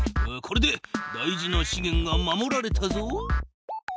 これで大事なしげんが守られたぞ。